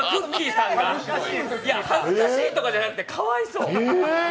さんが恥ずかしいとかじゃなくてかわいそう。